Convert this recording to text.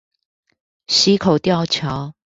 溪口吊橋